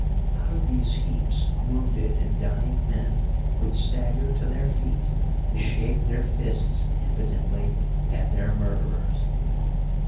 Out of these heaps wounded and dying men would stagger to their feet to shake their fists impotently at their murderers.